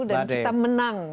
dan kita menang